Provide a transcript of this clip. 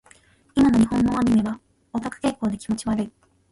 今の日本のアニメはオタク傾向で気持ち悪い。